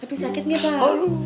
lebih sakit nih pak